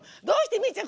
どうしてみ